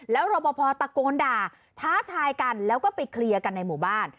แล้วรอปภตะโกนด่าท้าทายกันแล้วก็ไปเคลียร์กันในหมู่บ้าน